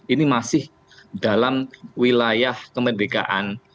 ini masih dalam wilayah kemerdekaan